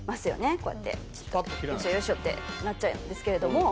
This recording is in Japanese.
こうやってよいしょよいしょってなっちゃうんですけれども。